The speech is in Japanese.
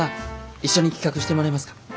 一緒に企画してもらえますか？